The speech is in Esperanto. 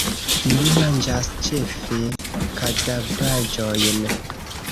Ili manĝas ĉefe kadavraĵojn.